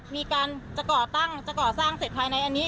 มีการจะก่อตั้งจะก่อสร้างเสร็จภายในอันนี้